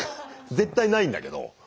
絶対ないんだけど。